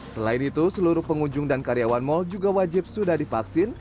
selain itu seluruh pengunjung dan karyawan mal juga wajib sudah divaksin